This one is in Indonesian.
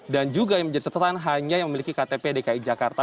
dan juga yang menjadi catatan hanya yang memiliki ktp dki jakarta